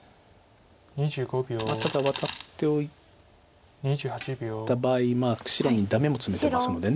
ただワタっておいた場合白にダメもツメてますので。